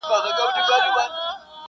په لوړو سترګو ځمه له جهانه قاسم یاره,